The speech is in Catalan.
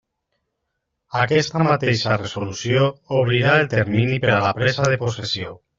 Aquesta mateixa resolució obrirà el termini per a la presa de possessió.